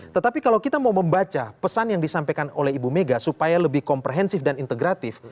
tetapi kalau kita mau membaca pesan yang disampaikan oleh ibu mega supaya lebih komprehensif dan integratif